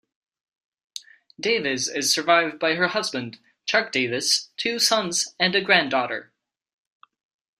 Davis is survived by her husband, Chuck Davis, two sons, and a granddaughter.